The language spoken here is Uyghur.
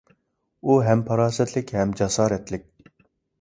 ئۇ ھەم پاراسەتلىك ھەم جاسارەتلىك.